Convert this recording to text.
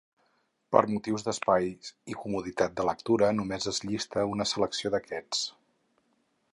Per motius d'espai i comoditat de lectura només es llista una selecció d'aquests.